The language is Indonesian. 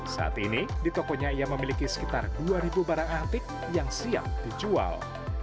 saat ini di tokonya ia memiliki sekitar dua barang antik yang siap dijual